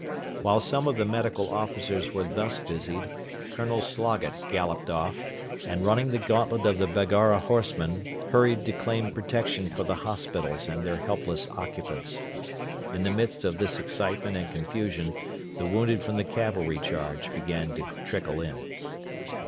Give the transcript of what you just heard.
While some of the medical officers were thus busied, Colonel Sloggett galloped off, and, running the gauntlet of the Baggara horsemen, hurried to claim protection for the hospitals and their helpless occupants. In the midst of this excitement and confusion the wounded from the cavalry charge began to trickle in.